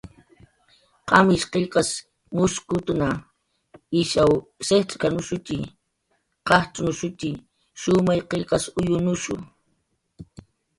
"Qamish qillqas mushkutna, ishaw jicx'k""anushutxi, qajcxnushutxi, shumayw qillqas uyunushu"